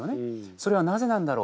それはなぜなんだろう。